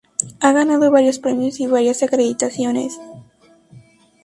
Ha ganado varios premios y varias acreditaciones.